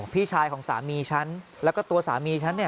พี่ชายของสามีฉันแล้วก็ตัวสามีฉันเนี่ย